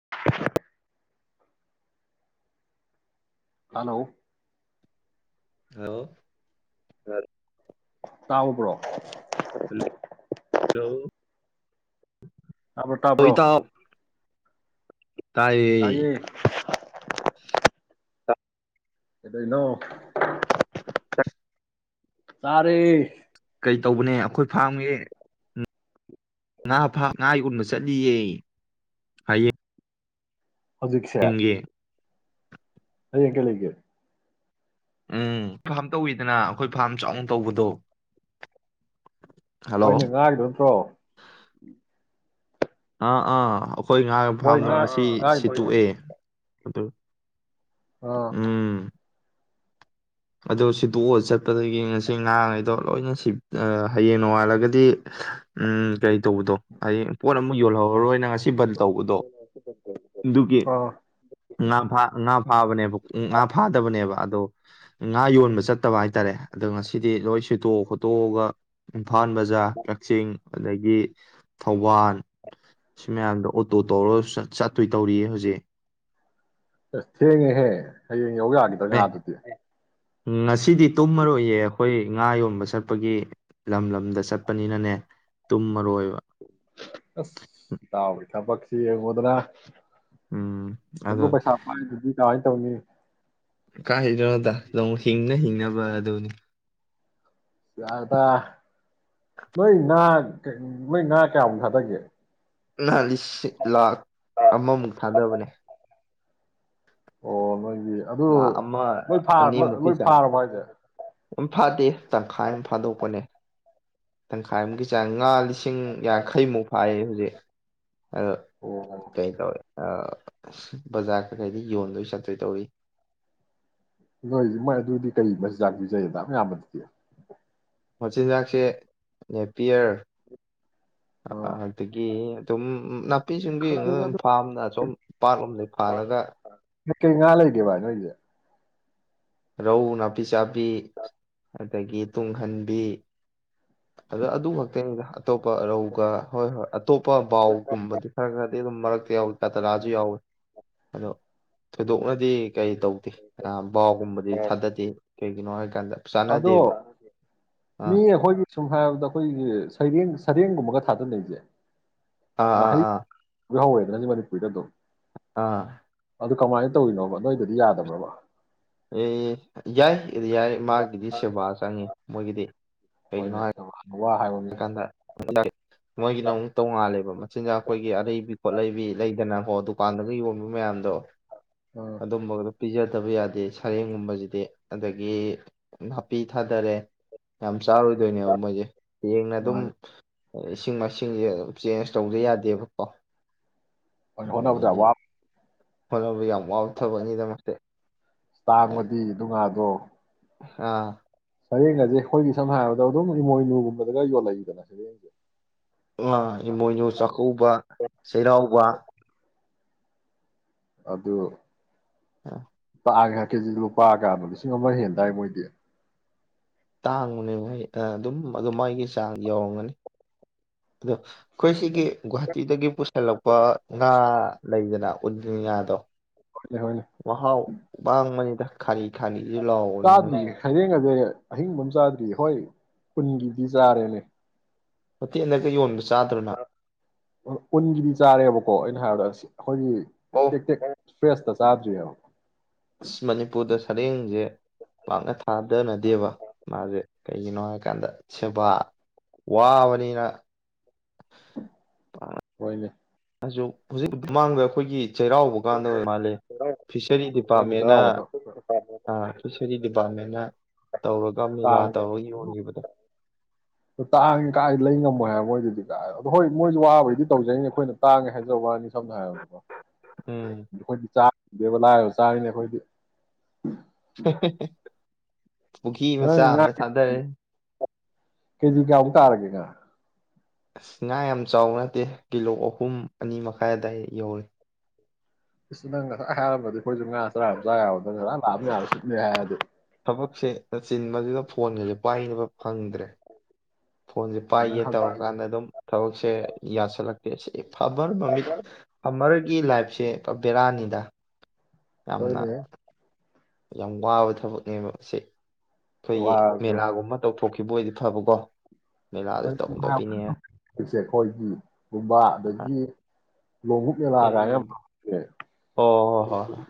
[unintelligible] [inaudible] Hello ꯍꯂ ꯇꯥꯎꯕ꯭ꯔꯣ hello ꯇꯕ꯭ꯔꯣ ꯍꯜꯂꯣ ꯇꯥꯕ꯭ꯔꯣ ꯏꯇꯥꯎ ꯇꯥꯏꯌꯦ [unintelligible] ꯗꯣꯏꯅꯣ ꯇꯥꯔꯦ ꯀꯩ ꯇꯧꯕꯅꯦ ꯑꯩꯈꯣꯏ ꯐꯥꯝꯒꯤ ꯉꯥ ꯐꯥ ꯉꯥ ꯎꯟꯕ ꯆꯠꯂꯤꯌꯦ ꯍꯌꯦꯡ ꯍꯧꯖꯤꯛꯁꯦ ꯍꯌꯦꯡ ꯀꯦ ꯀꯦ ꯎꯝ ꯐꯥꯔꯝ ꯇꯧꯋꯤꯗꯅ ꯑꯩꯈꯣꯏ ꯐꯥꯔꯝ ꯆꯥꯎꯅ ꯇꯧꯕꯗꯣ ꯍꯜꯂꯣ ꯍꯣꯏꯅꯦ ꯉꯥꯈꯤꯗꯣꯏ ꯅꯠꯇ꯭ꯔꯣ ꯑꯥ ꯑꯥ ꯑꯩꯈꯣꯏ ꯉꯥꯒꯤ ꯍꯣꯏ ꯐꯥꯝꯗꯣ ꯉꯥ ꯉꯁꯤ ꯉꯥꯒꯤꯗꯣ ꯑꯥ ꯁꯤꯠꯇꯣꯛꯑꯦ ꯑꯗ ꯎꯝ ꯑꯗꯣ ꯁꯤꯗꯣꯛꯑ ꯆꯠꯄꯗꯒꯤ ꯉꯁꯤ ꯉꯥꯡꯉꯩꯗꯣ ꯂꯣꯏꯅ ꯍꯌꯦꯡ ꯅꯣꯡꯉꯥꯜꯂꯒꯗꯤ ꯎꯝ ꯀꯩ ꯇꯧꯕꯗꯣ ꯑꯩ ꯄꯣꯠ ꯑꯃꯨꯛ ꯌꯣꯜꯍꯧꯔꯔꯣꯏꯅ ꯉꯁꯤ ꯕꯟ ꯇꯧꯕꯗꯣ ꯑꯗꯨꯒꯤ ꯑꯥ ꯉꯥ ꯐꯥ ꯉꯥ ꯐꯕꯅꯦ ꯎꯝ ꯉꯥ ꯐꯥꯗꯕꯅꯦꯕ ꯑꯗꯨ ꯉꯥ ꯌꯣꯟꯕ ꯆꯠꯇꯕ ꯍꯥꯏꯇꯥꯔꯦ ꯑꯗꯣ ꯉꯁꯤꯗꯤ ꯂꯣꯏ ꯁꯤꯠꯇꯣꯛ ꯈꯣꯠꯇꯣꯛꯑꯒ ꯎ ꯏꯝꯐꯥꯜ ꯕꯖꯥꯔ ꯀꯛꯆꯤꯡ ꯑꯗꯒꯤ ꯊꯧꯕꯥꯜ ꯁꯤ ꯃꯌꯥꯝꯗ ꯑꯣꯇꯣ ꯇꯧꯔꯒ ꯆꯠꯇꯣꯏ ꯇꯧꯔꯤꯌꯦ ꯍꯧꯖꯤꯛ ꯑꯁ ꯍꯦꯡꯉꯍꯦ ꯍꯌꯦꯡ ꯌꯧ ꯌꯥꯈꯤꯗ꯭ꯔꯥ ꯉꯥꯗꯨꯗꯤ ꯎ ꯉꯁꯤꯗꯤ ꯇꯨꯝꯃꯔꯣꯏꯌꯦ ꯑꯩꯈꯣꯏ ꯉꯥ ꯌꯣꯟꯕ ꯆꯠꯄꯒꯤ ꯂꯝ ꯂꯝꯗ ꯆꯠꯄꯅꯤꯅꯅꯦ ꯇꯨꯝꯃꯔꯣꯏꯕ ꯑꯁ ꯇꯥꯎꯋꯦ ꯊꯕꯛꯁꯤ ꯌꯦꯡꯉꯨꯗꯅ ꯎꯝ ꯑꯗꯣ ꯆꯂꯣ ꯄꯩꯁꯥ ꯄꯥꯏ [inaudible] ꯀꯃꯥꯏ [unintelligible] [inaudible] ꯀꯥꯏ ꯍꯩꯗꯣꯏꯅꯣꯗ ꯗꯨꯝ ꯍꯤꯡꯅ ꯍꯤꯡꯅꯕ ꯑꯗꯨꯅꯤ꯫ ꯌꯥꯔꯦꯗꯥ ꯅꯣꯏ ꯉꯥ ꯅꯣꯏ ꯉꯥ ꯀꯌꯥꯃꯨꯛ ꯊꯥꯗꯒꯦ꯫ ꯉꯥ ꯂꯤꯁꯤꯡ ꯂꯥꯥꯛ ꯑꯃꯃꯨꯛ ꯊꯥꯗꯕꯅꯦ꯫ ꯑꯣ ꯅꫭꯏ ꯂꯥ ꯑꯃ ꯑꯅꯤꯃꯨꯛꯀꯤ ꯂꯣꯏ ꯆꯥꯡ ꯐꯥꯔꯕꯣ ꯍꯥꯏꯖꯦ ꯑꯗꯨꯝ ꯐꯥꯗꯦ ꯇꯪꯈꯥꯏ ꯑꯃ ꯐꯥꯗꯣꯛꯄꯅꯦ꯫ ꯇꯪꯈꯥꯏꯃꯨꯛꯀꯤ ꯆꯥꯡ ꯉꯥ ꯂꯤꯁꯤꯡ ꯌꯥꯡꯈꯩꯃꯨꯛ ꯐꯥꯏꯌꯦ ꯍꯧꯖꯤꯛ꯫ ꯑꯗ ꯑꯣ ꯀꯩ ꯇꯋꯦ ꯑꯥ ꯕꯖꯥꯔ ꯀ ꯀꯩꯗꯤ ꯌꯣꯟꯗꯣꯏ ꯆꯠꯇꯣꯏ ꯇꯧꯔꯤ꯫ ꯅꯣꯏ ꯃꯣꯏ ꯑꯗꯨꯗꯤ ꯀꯩ ꯃꯆꯤꯟꯖꯥꯛ ꯄꯤꯖꯩ ꯗꯨꯛ ꯌꯥꯝ ꯌꯥꯝꯕꯗꯨꯗꯤ꯫ ꯃꯆꯤꯟꯖꯥꯛꯁꯦ ꯅꯦꯄꯤꯌꯔ ꯑ ꯑꯣ ꯑꯗꯒꯤ ꯗꯨꯝ ꯅꯥꯞ ꯄꯤꯁꯤꯡꯕꯤꯉ ꯈꯪꯗꯦꯗ ꯑꯗꯨ ꯐꯥꯝꯅ ꯁꯨꯝ ꯄꯥꯠꯂꯣꯝꯗꯩ ꯐꯥꯜꯂꯒ ꯀꯩꯀꯩ ꯉꯥ ꯂꯩꯒꯦ ꯚꯥꯏ ꯅꯣꯏꯁꯦ ꯔꯧ ꯅꯥꯄꯤ ꯆꯥꯕꯤ ꯑꯗꯒꯤ ꯇꯨꯡꯍꯟꯕꯤ ꯑꯗꯣ ꯑꯗꯨ ꯈꯛꯇꯅꯤꯗ꯫ ꯑꯇꯣꯞꯄ ꯔꯧꯒ ꯍꯣꯏ-ꯍꯣꯏ ꯑꯇꯣꯞꯄ ꯕꯥꯎꯒꯨꯝꯕꯗꯤ ꯈꯔ ꯈꯔꯗꯤ ꯑꯗꯨꯝ ꯃꯔꯛ ꯌꯥꯎꯏ ꯇꯥ ꯇꯔꯥꯁꯨ ꯌꯥꯎꯏꯤ ꯑꯗꯣ ꯊꯣꯏꯗꯣꯛꯅꯗꯤ ꯀꯩ ꯇꯧꯗꯦ ꯕꯥꯎꯒꯨꯝꯕꯗꯤ ꯊꯥꯗꯗꯦ꯫ ꯀꯩꯒꯤꯅꯣ ꯍꯥꯏ ꯑꯗꯣ ꯑꯥ ꯃꯤ ꯑꯈꯣꯏꯒꯤ ꯁꯨꯝ ꯍꯥꯏꯔꯕꯗ ꯑꯩꯈꯣꯏꯒꯤ ꯁꯩꯔꯦꯡ ꯁꯔꯦꯡꯒꯨꯝꯕꯒ ꯊꯥꯗꯅꯩꯁꯦ ꯑꯥ ꯑꯥ ꯉꯥꯍꯩ ꯑꯥ [unintelligible] ꯑꯥ ꯑꯗꯨ ꯀꯃꯥꯏꯅ ꯇꯧꯔꯤꯅꯣꯕ ꯅꯣꯏꯗꯗꯤ ꯌꯥꯗꯕ꯭ꯔꯕ꯫ ꯑꯦ ꯌꯥꯏ-ꯌꯥꯏ ꯃꯥꯒꯤꯗꯤ ꯁꯦꯕꯥ ꯆꯪꯉꯤ ꯃꯣꯏꯒꯤꯗꯤ ꯀꯩꯒꯤꯅꯣ ꯍꯣꯏꯅꯦ ꯍꯥꯏ ꯋꯥ ꯍꯥꯏꯕ ꯃꯤ ꯍꯥꯏ ꯀꯥꯟꯗ ꯃꯣꯏꯒꯤꯅ ꯑꯃꯨꯛꯛꯇꯉꯥꯜꯂꯦꯕ ꯃꯆꯤꯟꯖꯥꯛ ꯑꯩꯈꯣꯏꯒꯤ ꯑꯔꯩꯕꯤ ꯈꯣꯠꯂꯩꯕꯤ ꯂꯩꯗꯅ ꯍꯣ ꯗꯨꯀꯥꯟꯗꯒ ꯌꯣꯟꯕ ꯃꯌꯥꯝꯗꯣ ꯑ ꯑꯗꯨꯝꯕꯒꯗꯨ ꯄꯤꯖꯗꯕ ꯌꯥ ꯗꯦ ꯁꯔꯦꯡꯒꯨꯝꯕꯁꯤꯗꯤ ꯑꯗꯒꯤ ꯅꯥꯄꯤ ꯊꯥꯗꯔꯦ ꯌꯥꯝ ꯆꯥꯔꯣꯏꯗꯣꯏꯅꯦꯕ ꯃꯣꯏꯁꯦ ꯑꯗꯨꯝ ꯃꯥꯅꯦ ꯁꯤꯁꯤꯡꯃꯁꯤꯡ ꯁꯤꯡꯁꯦ ꯆꯦꯟꯖ ꯇꯧꯗ ꯌꯥꯗꯦꯕꯀꯣ ꯍꯅꯗ ꯋꯥ ꯍꯣꯠꯅꯕ ꯌꯥꯝ ꯋꯥꯎꯊꯕꯅꯤꯗꯃꯛꯁꯦ ꯑꯁ ꯇꯥꯡꯕꯗꯤ ꯗꯨ ꯉꯥꯗꯣ [inaudible] ꯑꯥ ꯁꯩꯔꯦꯡ ꯑꯁꯦ ꯑꯩꯈꯣꯏꯒꯤ ꯁꯝꯅ ꯍꯥꯏꯔꯕꯗ ꯑꯗꯨꯝ ꯏꯃꯣꯏꯅꯨꯒꯨꯝꯕꯗꯒ ꯌꯣꯜꯂꯛꯏꯗꯅ ꯁꯔꯦꯡꯁꯦ ꯑ ꯏ ꯃꯣꯏ ꯆ ꯀꯧꯕ ꯆꯩꯔꯥꯎꯕ ꯑꯗꯨ ꯑꯥ ꯂꯒ ꯀꯦꯖꯤ ꯂꯨꯄꯥꯒ ꯂꯤꯁꯤꯡ ꯑꯃ ꯍꯦꯟꯗꯥꯏ ꯃꯣꯏꯗꯤ ꯇꯥꯡꯕꯅꯦ ꯃꯣꯏ ꯑꯗꯨꯝ ꯑꯗꯨ ꯃꯒꯤ ꯆꯥꯡ ꯌꯧꯔꯝꯒꯅꯤ ꯑꯗꯣ ꯑꯩꯈꯣꯏ ꯁꯤꯒꯤ ꯒꯨꯍꯥꯇꯤꯗꯒꯤ ꯍꯦꯜꯂꯛꯄ ꯉꯥ ꯂꯩꯗꯅ ꯌꯥꯗꯣ ꯍꯣꯏꯅꯦ ꯍꯣꯏꯅꯦ ꯋꯥ ꯍꯥꯎ ꯃꯅꯤꯗ ꯈꯜꯂꯤ ꯆꯥꯗ꯭ꯔꯤ ꯍꯌꯦꯡ ꯑꯗꯤ ꯑꯍꯤꯡꯕꯝ ꯆꯥꯗ꯭ꯔꯤ ꯍꯣꯏ ꯀꯨꯟꯒꯤ ꯗꯤꯖꯥꯔꯦꯅꯦ ꯍꯣꯇꯦꯜꯗꯒ ꯌꯣꯟꯕꯁꯤ ꯎꯟꯒꯤꯗꯤ ꯆꯥꯔꯦꯕꯀꯣ ꯑꯩꯅ ꯍꯥꯏꯔꯗꯁꯤ ꯑꯩꯈꯣꯏꯒꯤ ꯑꯣ ꯇꯦꯛ ꯇꯦꯛ ꯐ꯭ꯔꯦꯁꯇ ꯆꯥ ꯑꯁ ꯃꯅꯤꯄꯨꯔꯗ ꯗꯅꯗꯦꯕ ꯃꯥꯁꯦ ꯀꯩꯒꯤꯅꯣ ꯍꯥꯏꯀꯥꯟꯗ ꯁꯦꯕꯥ ꯋꯥꯕꯅꯤꯅ ꯍꯣꯏꯅꯦ ꯑꯗꯨ ꯍꯧꯖꯤꯛ ꯃꯃꯥꯡꯗ ꯑꯩꯈꯣꯏꯒꯤ ꯆꯩꯔꯥꯎꯕ ꯀꯥꯟꯗ ꯑꯣꯏ ꯃꯥꯜꯂꯦ ꯐꯤꯁꯔꯤ ꯃꯣꯏꯅ ꯗꯤꯄꯥꯔꯠꯃꯦꯟꯅ ꯆꯩꯔꯥꯎꯕꯗꯣ ꯐꯤꯁꯔꯤ ꯗꯤꯄꯥꯔꯠꯃꯦꯟ ꯇꯥꯡ ꯇꯥꯡ ꯀꯥꯏ ꯂꯩ ꯉꯝꯃꯣꯏ ꯍꯥꯏꯕ ꯃꯣꯏꯗꯗꯤ ꯑꯗꯣ ꯍꯣꯏ ꯃꯣꯏꯁꯨ ꯋꯥꯕꯩꯗꯤ ꯇꯧꯖꯩꯅꯦ ꯑꯩꯈꯣꯏꯅ ꯇꯥꯡꯉꯦ ꯍꯥꯏꯖꯕ ꯋꯥꯅꯤ ꯁꯝꯅ ꯍꯥꯏꯔꯕꯗꯀꯣ ꯎꯝ ꯑꯩꯈꯣꯏ ꯆ ꯗꯦꯕ ꯂꯥꯏꯔꯣ ꯆꯥꯔꯤꯅꯦ ꯑꯩꯈꯣꯏꯗꯤ ꯄꯨꯈ꯭ꯔꯤ ꯪ ꯃꯆꯥ ꯉꯥ ꯑꯃꯗ ꯊꯥꯗꯔꯦ ꯀꯦꯖꯤ ꯀꯌꯥꯃꯨꯛ ꯇꯥꯔꯒꯦ ꯉꯥ ꯑꯁ ꯉꯥ ꯌꯥꯝ ꯆꯥꯎꯕ ꯅꯠꯇꯦ ꯀꯤꯂꯣ ꯑꯍꯨꯝ ꯑꯅꯤ ꯃꯈꯥꯏ ꯑꯋꯥꯏ ꯌꯧꯔꯦ ꯏꯁ ꯅꯪ ꯉꯁꯥꯏ ꯍꯥꯏꯔꯃꯗꯤ ꯑꯩꯈꯣꯏꯁꯨ ꯉꯥ ꯆꯔꯥ ꯆꯥ ꯌꯥꯎ ꯅꯪ ꯉꯥꯛ ꯂꯥꯛꯑ ꯌꯥꯔ ꯁꯤꯠꯅꯦ ꯍꯥꯏꯔꯗꯤ ꯊꯕꯛꯁꯦ ꯆꯤꯟꯕꯗꯨꯗ ꯐꯣꯟꯒꯁꯦ ꯄꯥꯏꯅꯕ ꯐꯪꯗ꯭ꯔꯦ ꯐꯣꯟꯁꯦ ꯄꯥꯏꯒꯦ ꯅꯪ ꯍꯧꯖꯤꯛ ꯇꯧꯔꯀꯥꯟꯗ ꯑꯗꯨꯝ ꯊꯕꯛꯁꯦ ꯌꯥꯁꯜꯂꯛ ꯑꯦ ꯐꯃꯔ ꯃꯃꯤꯠ ꯐꯃꯔꯒꯤ ꯂꯥꯏꯐꯁꯦ ꯕꯦꯔꯥꯅꯤꯗ ꯌꯥꯝꯅ ꯍꯣꯏꯗꯦ ꯌꯥꯝ ꯋꯥꯕ ꯊꯕꯛꯅꯦꯕ ꯑꯁꯤ ꯑꯩꯈꯣꯏꯒꯤ ꯋꯥꯔꯁꯨ ꯃꯦꯂꯥꯒꯨꯝꯕ ꯇꯧꯊꯣꯛꯈꯤ ꯕꯣꯏꯗꯤ ꯐꯕꯀꯣ ꯃꯦꯂꯥꯗ ꯇꯧꯗꯕꯤꯅꯦ ꯁꯦ ꯑꯩꯈꯣꯏꯒꯤꯒꯨꯝꯕ ꯑꯗꯒꯤ ꯂꯕꯨꯨꯛꯅꯦ ꯂꯥꯛꯑꯒ ꯌꯥꯝꯦ ꯐꯤꯂꯝꯒꯨꯝꯕ ꯍꯣꯏ ꯍꯣꯏ ꯍꯣꯏ ꯍꯣꯏ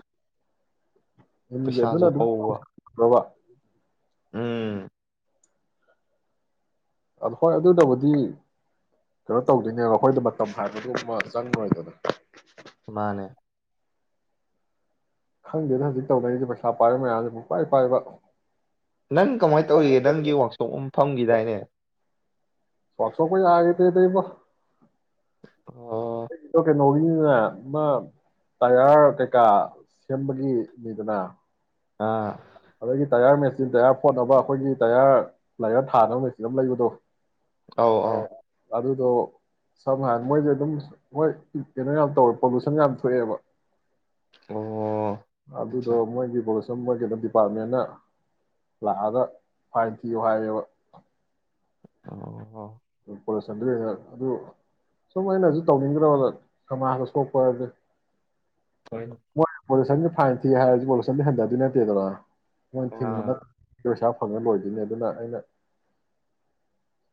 ꯑꯗꯨꯗꯨꯅ ꯄꯩꯁꯥꯁꯨ ꯍꯧꯕ ꯑꯗꯨ꯭ꯔꯚ ꯎꯝ ꯎꯝ ꯑ ꯍꯣꯏ ꯑꯗꯨꯗꯕꯨꯗꯤ ꯀꯩꯅꯣ ꯇꯧꯗꯣꯏꯅꯦꯕ ꯑꯩꯈꯣꯏꯗ ꯃꯇꯝ ꯍꯥꯏꯕꯗꯨ ꯑꯃ ꯆꯪꯉꯔꯣꯏꯗꯅ ꯃꯥꯃꯅꯦ ꯈꯪꯗꯦꯅ ꯍꯧꯖꯤꯛ ꯇꯧꯅꯔꯤꯁꯦ ꯄꯩꯁꯥ ꯄꯥꯏꯕ ꯃꯌꯥꯝꯁꯦ ꯄꯥꯏ ꯄꯥꯏꯕ ꯅꯪ ꯀꯃꯥꯏꯅ ꯇꯧꯔꯤꯒ ꯅꯪꯒꯤ ꯋꯥꯛꯁꯣꯞ ꯑ ꯐꯝꯈꯤꯗꯥꯏꯅꯦ ꯆꯣꯁꯣ ꯀꯣꯏ ꯍꯥꯏ ꯇ ꯇꯔꯤꯕ ꯑꯣ ꯅꯧꯔꯤꯅꯤꯗꯅ ꯃꯥ ꯇꯌꯥꯔ ꯀꯩꯀꯥ ꯁꯦꯝꯕꯒꯤ ꯅꯤꯗꯅ ꯑꯥ ꯑꯗꯒꯤ ꯇꯌꯥꯔ ꯃꯦꯆꯤꯟ ꯇꯌꯥꯔ ꯐꯣꯠꯅꯕ ꯑꯈꯣꯏꯒꯤ ꯇꯌꯥꯔ ꯂꯥꯏꯌꯔ ꯊꯥꯅꯕ ꯃꯦꯆꯤꯟ ꯑꯃ ꯂꯩꯕꯗꯣ ꯑꯥꯎ ꯑꯥꯎ ꯑꯗꯨꯗꯣ ꯁꯝꯅ ꯍꯥꯏ ꯃꯣꯏꯖꯦ ꯑꯗꯨꯝ ꯃꯣꯏ ꯀꯩꯅꯣ ꯌꯥꯝ ꯇꯧꯔꯦ ꯄꯣꯂꯨꯁꯟ ꯌꯥꯝ ꯊꯣꯛꯑꯦꯕ ꯑꯣ ꯑꯗꯨꯗꯣ ꯑꯠꯆꯥ ꯃꯣꯏꯒꯤ ꯄꯣꯂꯨꯁ [unintelligible] ꯄꯥꯔꯠꯃꯦꯟꯅ ꯂꯥꯛꯑꯒ ꯐꯥꯏꯟ ꯊꯤꯌꯨ ꯍꯥꯏꯌꯦꯕ ꯑꯣ ꯍꯣ ꯄꯣꯂꯁꯟꯗꯨ ꯑꯗꯨ ꯁꯨꯝ ꯑꯩꯅꯖꯨ ꯇꯧꯅꯤꯡꯗ꯭ꯔꯕ ꯁꯃꯥꯖꯇ ꯁꯣꯛꯄ ꯍꯥꯏꯖꯦ ꯍꯣꯏ ꯄꯣꯂꯨꯁꯟꯒꯤ ꯐꯥꯏꯟ ꯊꯤ ꯍꯥꯏꯖꯨ ꯄꯣꯂꯨꯁꯟꯗꯤ ꯍꯟꯗꯗꯣꯏ ꯅꯠꯇꯦꯗꯅ ꯃꯣꯏ ꯑꯥ ꯊꯤꯡꯕꯅ ꯄꯩꯁꯥ ꯐꯪꯉ ꯂꯣꯏꯗꯨꯅꯤ ꯑꯗꯨꯅ ꯑꯩꯅ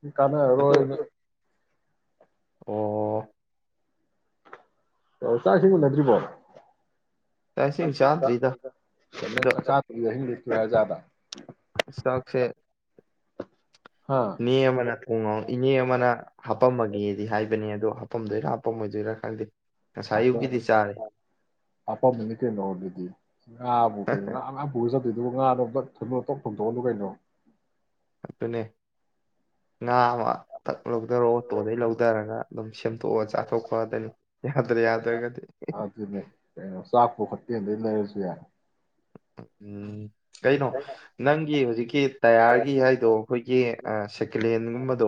[unintelligible] ꯑꯗꯣ ꯅꯔꯣꯏꯅ ꯑꯣ ꯑꯣ ꯆꯥꯛ ꯏꯁꯤꯡ ꯎꯅꯗ꯭ꯔꯤꯕꯣ ꯆꯥꯛ ꯏꯁꯤꯡ ꯆꯗꯔ꯭ꯤꯗ ꯅꯪ ꯑꯗꯣ ꯆꯥꯛꯆꯥ ꯗꯕꯤꯗ ꯑꯍꯤꯡ ꯂꯦꯛ [unintelligible] ꯆꯥꯛꯁꯦ ꯍꯥ ꯅꯦ ꯑꯃꯅ ꯊꯣꯡꯉ ꯏꯅꯦ ꯑꯃꯅ ꯍꯥꯄꯝꯃꯒꯦꯗꯤ ꯍꯥꯏꯕꯅꯦ ꯑꯗꯣ ꯍꯥꯄꯝꯗꯣꯏꯔꯥ ꯍꯥꯄꯝꯃꯣꯏꯗꯣꯏꯔꯥ ꯈꯪꯗꯦ ꯉꯁꯥꯏ ꯑꯌꯨꯛꯀꯤꯗꯤ ꯆꯥꯔꯦ ꯍꯥꯥꯞꯄꯝꯃꯅꯤ ꯀꯩꯅꯣ ꯑꯗꯨꯗꯤ ꯉꯥꯕꯨ ꯀꯩꯅꯣ ꯉꯥꯉꯥꯛ ꯄꯨꯔ ꯆꯠ ꯇꯨꯗꯨ ꯉꯥꯗꯣ [unintelligible] ꯊꯣꯡꯗꯣꯛꯍꯜꯂꯨ ꯀꯩꯅꯣ ꯑꯗꯨꯅꯦ ꯉꯥ ꯑꯃ ꯊꯛ ꯂꯧꯗꯔꯣ ꯇꯣꯗꯩ ꯂꯧꯗꯔꯒ ꯑꯗꯨꯝ ꯁꯦꯝꯇꯣꯛꯑꯆꯥꯊꯣꯛꯄꯗꯨꯅꯤ [unintelligible] ꯑꯗꯨꯅꯦ ꯆꯥꯛꯄꯨ ꯈꯠ ꯇꯦꯟꯗꯩꯩ ꯂꯩꯔꯖꯨ ꯌꯥꯏ ꯎꯝ ꯀꯩꯅꯣ ꯅꯪꯒꯤ ꯍꯧꯖꯤꯛ ꯀꯦꯠ ꯇꯌꯥꯔꯒꯤ ꯍꯥꯏꯗꯣ ꯑꯈꯣꯏꯒꯤ ꯑꯥ ꯁꯦꯀꯂꯦꯟꯒꯨꯝꯕꯗꯣ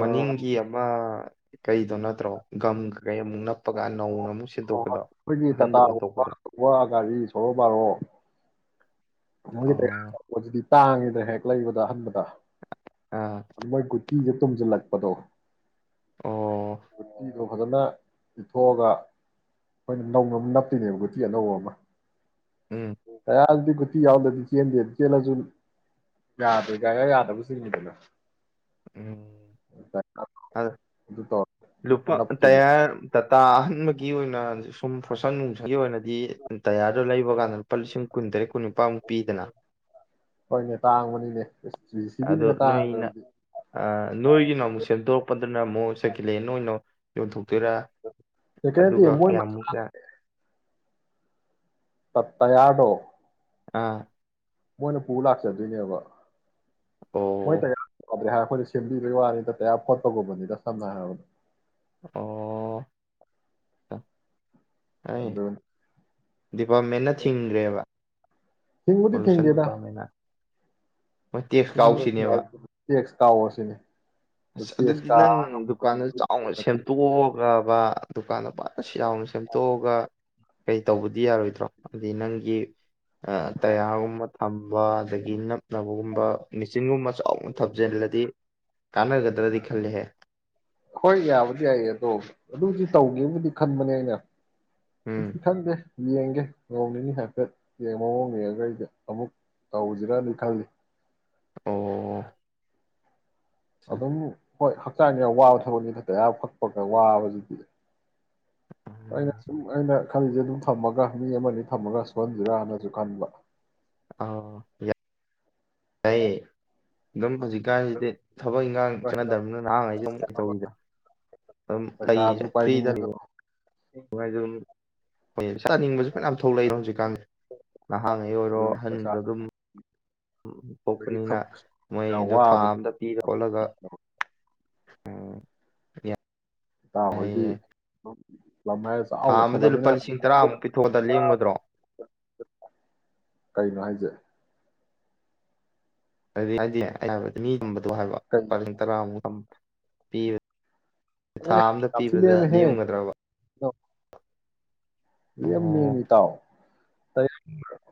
ꯑ ꯑꯃ ꯑꯥ ꯀꯩꯗꯣ ꯅꯠꯇ꯭ꯔꯣ ꯒꯝ ꯀꯩ ꯑꯃꯨꯛ ꯅꯞꯄꯒ ꯅꯧꯅ ꯑꯃꯨꯛ ꯁꯤꯠꯇꯣꯛꯄꯗꯣ ꯑꯩꯈꯣꯏꯒꯤ ꯑꯍꯟꯕ ꯇꯥꯇꯥꯒꯨꯝꯕ ꯑꯣꯟꯊꯣꯛꯀꯗꯣ ꯑꯆꯧꯕ ꯒꯥꯔꯤ ꯃꯒꯤ ꯇꯥꯌꯔ ꯍꯣꯏꯁꯤꯗꯤ ꯇꯥꯡꯉꯤꯗ ꯍꯦꯛ ꯂꯩꯕꯗ ꯑꯍꯥꯟꯕꯗ ꯇꯥ ꯑꯥ ꯑꯗꯨ ꯃꯣꯏꯒꯨꯠ ꯄꯤꯒꯥ ꯇꯨꯝꯖꯤꯂꯛꯄꯗꯣ ꯑꯣ [inaudible] ꯐꯖꯅ ꯏꯊꯣꯛꯑꯒ ꯑꯩꯈꯣꯏꯅ ꯅꯧꯅ ꯑꯃꯨꯛ ꯅꯞꯇꯣꯏꯅꯦꯕ ꯒꯨꯇꯤ ꯑꯅꯧꯕ ꯑꯃ ꯎꯝ ꯉꯔꯥꯡ ꯕꯤꯟ ꯕꯨꯠꯇꯤ ꯌꯥꯑꯣꯗꯕꯤ ꯆꯦꯟꯗꯦ ꯆꯦꯜꯂꯁꯨ ꯌꯥꯗꯦ ꯒꯥꯌꯔ ꯌꯥꯗꯕꯤꯗ ꯆꯦꯪꯏꯗꯅ ꯎꯝ ꯑ ꯑꯗꯨ ꯇꯧꯔ ꯂꯨꯄꯥ ꯅꯞꯇꯣꯏꯅꯦ ꯇꯌꯥꯔ ꯇꯥꯇꯥ ꯑꯍꯟꯕꯒꯤ ꯑꯣꯏꯅ ꯁꯨꯝ ꯒꯣꯁ ꯄꯟ ꯃꯨꯁꯥꯂꯤ ꯑꯣꯏꯅꯗꯤ ꯇꯌꯥꯔꯗꯨ ꯂꯩꯕ ꯀꯥꯟꯗ ꯂꯨꯄꯥ ꯂꯤꯁꯤꯡ ꯀꯨꯟ ꯇꯔꯤꯛ ꯀꯨꯟꯅꯤꯄꯥꯃꯨꯛ ꯄꯤꯗꯅ ꯍꯣꯏꯅꯦ ꯇꯥꯡꯕꯅꯤꯅꯦ ꯑꯁ ꯖꯤ ꯁꯤ ꯑꯣꯗꯨ ꯕꯤꯅꯒ ꯅꯣꯏꯅ ꯇꯥꯡꯕꯗꯤ ꯑꯥ ꯅꯣꯏꯒꯤꯅ ꯑꯃꯨꯛ ꯁꯦꯝꯗꯣꯔꯛꯄꯗꯨꯅ ꯑꯃꯨꯛ ꯁꯥꯀꯂꯦꯟ ꯂꯧ ꯑꯦ ꯌꯣꯟ ꯊꯣꯛ ꯇꯨꯔꯥ ꯅꯠꯇꯦ ꯅꯠꯇꯦ ꯑꯗꯨꯒ ꯃꯣꯏ ꯀꯌꯥꯃꯨꯛ ꯇꯥ ꯇꯠꯇꯌꯥꯗꯣ ꯑꯥ ꯃꯣꯏꯅ ꯄꯨ ꯂꯥꯛꯆꯗꯣꯏꯅꯦꯕ ꯃꯣꯏ ꯑꯣ ꯇꯥꯌꯥꯔ ꯀꯥꯑꯣꯗꯨꯅꯤ ꯍꯥꯔꯞ ꯑꯩꯈꯣꯏꯅ ꯁꯦꯝꯕꯤꯕꯒꯤ ꯋꯥꯅꯤ ꯗ ꯇꯌꯥ ꯈꯣꯠꯄꯒꯨꯝꯕꯅꯤꯗ ꯁꯝꯅ ꯍꯥꯏꯔꯕꯗ ꯑꯣ ꯑꯩ ꯑꯗꯨ ꯗꯤꯄꯥꯔꯠꯃꯦꯟꯅ ꯊꯣꯡꯗꯔꯦꯕꯥ ꯊꯤꯡꯕꯨꯗꯤ ꯀꯃꯤꯗꯤꯄꯥꯃꯦꯟꯅ [unintelligible] ꯀꯩ ꯑꯁꯤꯅꯤ ꯑꯁ ꯑꯗꯨꯗꯤ ꯅꯡ ꯗꯨꯀꯥꯟꯗ ꯆꯥꯎꯅ ꯁꯦꯝꯗꯣꯛꯑꯒ ꯄꯥ ꯗꯨꯀꯥꯟꯗ ꯄꯥ ꯑ ꯁꯤꯑꯧꯅ ꯁꯦꯝꯗꯣꯛꯑꯒ ꯀꯩ ꯇꯧꯕꯗꯤ ꯌꯥꯔꯣꯏꯗ꯭ꯔꯣ ꯑꯗꯨꯗꯤ ꯅꯡꯒꯤ ꯑꯥ ꯇꯌꯥꯒꯨꯝꯕ ꯊꯝꯕ ꯑꯗꯒꯤ ꯅꯞꯇꯥꯕꯒꯨꯝꯕ ꯃꯦꯆꯤꯟꯒꯨꯝꯕ ꯁ ꯆꯥꯑꯣꯅꯥ ꯊꯕꯖꯟꯂꯗꯤ ꯍꯣꯏ ꯌꯥꯕꯥꯕꯨꯗꯤ ꯌꯥꯌꯦ ꯑꯗꯣ ꯑꯗꯨꯗꯤ ꯇꯧꯒꯦꯕꯨꯗꯤ ꯈꯟꯕꯅꯦ ꯑꯩꯅ ꯎꯝ ꯑꯩꯗꯤ ꯈꯪꯗꯦ ꯌꯦꯡꯒꯦ ꯅꯣꯡ ꯅꯤꯅꯤ ꯍꯥꯏꯐꯦꯠ ꯌꯦ ꯃꯑꯣꯡ ꯌꯦꯡꯉꯒ ꯑꯩꯖꯦ ꯑꯃꯨꯛ ꯇꯧꯁꯤꯔꯅ ꯗꯤ ꯈꯜꯂꯤ ꯑꯣ ꯑꯠꯆꯥ ꯑꯗꯨꯝ ꯍꯣꯏ ꯍꯛꯆꯥꯡꯗ ꯌꯥꯝ ꯋꯥꯕ ꯊꯕꯛꯅꯤꯗ ꯇꯌꯥꯔ ꯐꯛꯄꯒ ꯋꯥꯕꯁꯤꯗꯤ ꯑꯩꯅ ꯁꯨꯝ ꯑꯩꯅ ꯈꯜꯂꯤꯁꯦ ꯑꯗꯨꯝ ꯊꯝꯃꯒ ꯃꯤ ꯑꯃꯅꯤ ꯊꯝꯃꯒ ꯁꯨꯍꯟꯁꯤꯔꯥꯅꯁꯨ ꯈꯟꯕ ꯑ ꯌꯥ ꯇꯌꯦ ꯑꯗꯨꯝ ꯍꯧꯖꯤꯛꯀꯥꯟꯁꯤꯗꯤ ꯊꯕꯛ ꯏꯟꯈꯥꯡ ꯍꯣꯏ ꯆꯠꯅꯗꯕꯅꯤꯅ ꯅꯍꯥꯡꯉꯩꯁꯨ ꯑꯃꯨꯛ ꯇꯧꯔꯤꯗ ꯑꯗꯨꯝ ꯂꯩ ꯄꯩꯁꯥꯁꯨ ꯐ꯭ꯔꯤꯗ ꯄꯥꯏꯅꯤꯡꯉꯤꯗ ꯅꯨꯡꯉꯥꯏꯖꯔꯝꯅꯤ ꯍꫭꯌꯦ ꯇꯥꯟꯅꯤꯡꯕꯁꯨ ꯐꯟꯌꯥꯝ ꯊꯣꯛꯂꯛꯏꯗ ꯍꯧꯖꯤꯛꯀꯥꯟꯁꯦ ꯅꯍꯥꯡꯉꯩ ꯑꯣꯏꯔꯣ ꯑꯗꯨꯅꯦ ꯄꯩꯁꯥ ꯑꯍꯟꯗ ꯑꯗꯨꯝ ꯎꯝ ꯑꯗꯒꯤ ꯄꯣꯛꯄꯅꯤꯅ ꯊꯕꯛꯁꯨ ꯌꯥꯝ ꯃꯣꯏꯗꯣ ꯊꯥ ꯋꯥꯕ ꯑꯝꯗ ꯄꯤꯔ ꯈꯣꯠꯂꯒ ꯎꯝ ꯏꯇꯥꯎ ꯍꫭꯏꯗꯤ ꯂꯝ ꯍꯥꯏꯔ ꯊꯥ ꯆꯥꯎꯅ ꯑꯃꯗ ꯂꯨꯄꯥ ꯂꯩꯁꯜꯂꯝꯅꯤꯅ ꯂꯤꯁꯤꯡ ꯇꯔꯥꯃꯨꯛ ꯄꯤꯊꯣꯛꯑꯗ ꯂꯦꯝꯒꯗ꯭ꯔꯣ ꯀꯩꯅꯣ ꯍꯥꯏ ꯖꯦ ꯍꯥꯏꯗꯤ ꯍꯥꯏꯗꯤꯅꯦ ꯍꯥꯏꯕ ꯃꯤ ꯊꯝꯕꯗꯣ ꯍꯥꯏꯕ ꯀꯩ ꯂꯨꯄꯥ [unintelligible] ꯇꯔꯥꯃꯨꯛ ꯊꯝ ꯄꯤꯕ ꯊꯥ ꯑꯝꯗ ꯄꯤꯕꯗ ꯂꯦꯝꯒꯗ꯭ꯔꯕ ꯑ ꯑꯣ ꯂꯦꯝꯅꯦꯃꯤ ꯏꯇꯥꯎ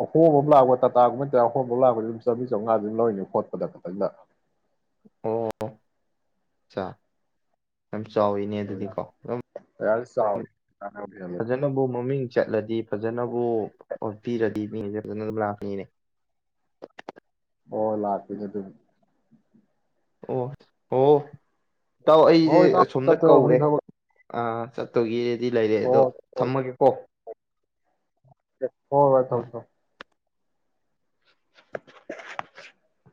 ꯑꯍꯣꯕ ꯑꯃ ꯂꯥꯛꯄ ꯇꯥꯇꯥꯒꯨꯝꯕ ꯇꯌꯥꯔ ꯑꯍꯣꯕ ꯑꯃ ꯂꯥꯛꯄ ꯑꯗꯨꯝ ꯆꯥꯝꯔꯤ ꯆꯥꯝꯃꯉꯥꯥꯗꯤ ꯑꯗꯨꯝ ꯂꯧꯅꯤ ꯐꫭꯠꯄꯗ ꯈꯇꯪꯗ ꯑꯣ ꯆꯥꯥ ꯌꯥꯝ ꯆꯥꯎꯋꯤꯅꯦ ꯑꯗꯨꯗꯤꯀꯣ ꯑꯗꯨꯝ ꯆꯥꯎꯏ ꯐꯖꯅꯕꯨ ꯃꯃꯤꯡ ꯆꯠꯂꯗꯤ ꯐꯖꯅꯕꯨ ꯑꯣ ꯄꯤꯔꯗꯤ ꯃꯤꯁꯦ ꯐꯖꯅ ꯑꯗꯨꯝ ꯂꯥꯛꯀꯅꯤꯅꯦ ꯍꫭꯏ ꯂꯥꯛꯇꫭꯏꯅꯦ ꯑꯗꯨꯕꯨꯗꯤ ꯑꯣ ꯑꯣ ꯏꯇꯥꯎ ꯑꯩꯁꯦ ꯍꯣꯏ ꯏꯇꯥꯎ ꯑꯁꯣꯝꯗ ꯆꯠꯇꯣꯔꯕꯅꯤ ꯀꯧꯔꯦ ꯊꯕꯛ ꯑ ꯆꯠꯇꯧꯒꯤ ꯗꯤ ꯂꯩꯔꯦ ꯑꯗꯣ ꯊꯝꯃꯒꯦ ꯀꯣ ꯍꯣꯒ ꯇꯧ ꯇ [unintelligible]